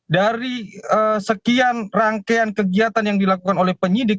dari sekian rangkaian kegiatan yang dilakukan oleh penyidik